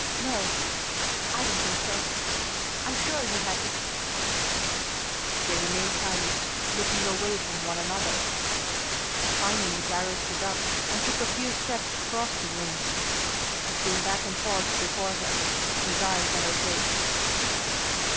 "No...I don't think so...I'm sure he hadn't..." They remained silent, looking away from one another. Finally Darrow stood up and took a few steps across the room. He came back and paused before her, his eyes on her face.